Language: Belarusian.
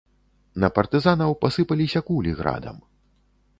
На партызанаў пасыпаліся кулі градам.